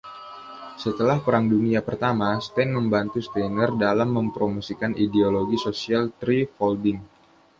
Setelah Perang Dunia Pertama, Stein membantu Steiner dalam mempromosikan ideologi Social Threefolding.